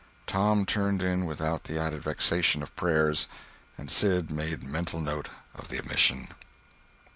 Tom turned in without the added vexation of prayers, and Sid made mental note of the omission.